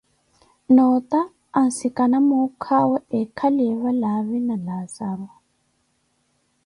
noota ansikana muukhawe eekhaliye valaavi na Laazaru.